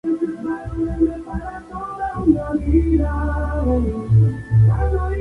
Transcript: Ahí vivió en San Diego, donde participaba activamente en la escena teatral local.